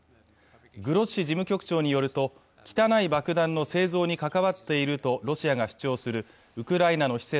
グロッシ事務局長によると汚い爆弾の製造に関わっているとロシアが主張するウクライナの施設